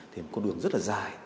thì có đường rất là dài